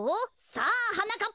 さあはなかっ